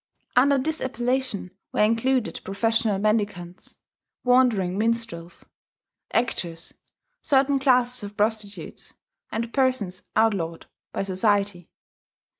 Under this appellation were included professional mendicants, wandering minstrels, actors, certain classes of prostitutes, and persons outlawed by society.